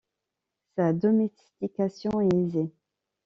Sa domestication est aisée.